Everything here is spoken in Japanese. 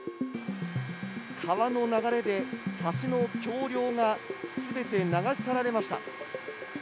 川の流れで橋の橋りょうがすべて流されました。